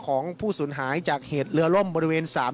ของผู้สูญหายจากเหตุเรือล่มบริเวณศาล